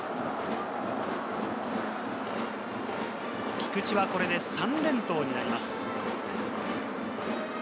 菊地はこれで３連投になります。